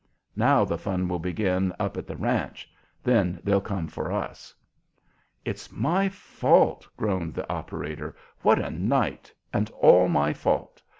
Now the fun will begin up at the ranch. Then they'll come for us." "It's my fault!" groaned the operator. "What a night, and all my fault!